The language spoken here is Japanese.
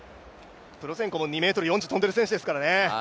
プロツェンコも２ｍ４０跳んでいる選手です。